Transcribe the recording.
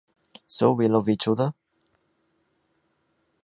So, we love each other.